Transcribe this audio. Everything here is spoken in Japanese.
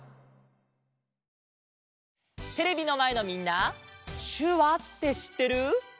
テレビのまえのみんな「しゅわ」ってしってる？